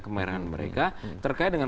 kemarahan mereka terkait dengan